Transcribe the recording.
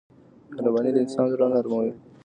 مهرباني د انسان زړه نرموي.